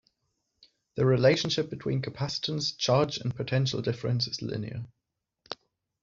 The relationship between capacitance, charge and potential difference is linear.